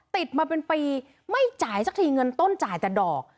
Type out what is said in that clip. ติดมาเป็นปีไม่จ่ายสักทีเงินต้นจ่ายแต่ดอก